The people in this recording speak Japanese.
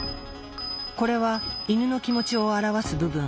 これはイヌの気持ちを表す部分。